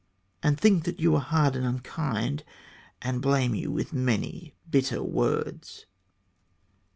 And think that you were hard and unkind, And blame you with many bitter words.